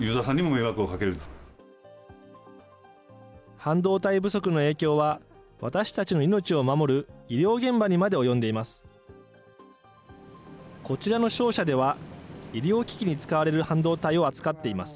半導体不足の影響は、私たちの命を守る医療現場にまで及んでいます。